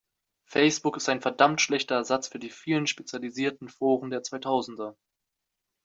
Facebook ist ein verdammt schlechter Ersatz für die vielen spezialisierten Foren der zweitausender.